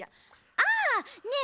ああねえ